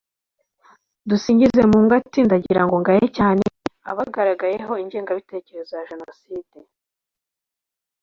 Dusingizemungu ati “Ndagira ngo ngaye cyane abagaragayeho ingengabitekerezo ya Jenoside